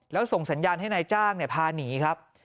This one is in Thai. แล้วส่งสัญญาณให้นายจ้างพาหนีครับ